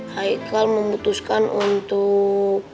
haikal memutuskan untuk